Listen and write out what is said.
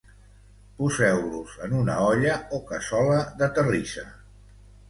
poseu-los en una olla o cassola de terrissa